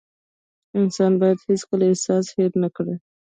انسان بايد هيڅکله احسان هېر نه کړي .